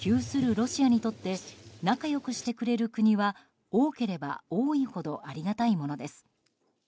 ロシアにとって仲良くしてくれる国は多ければ多いほどありがたいものです。